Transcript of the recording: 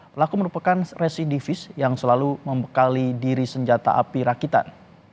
pelaku merupakan residivis yang selalu membekali diri senjata api rakitan